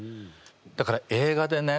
だから映画でね